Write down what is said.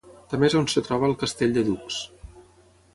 També és on es troba el Castell de Dux.